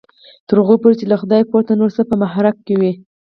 تر هغې پورې چې له خدای پرته نور څه په محراق کې وي.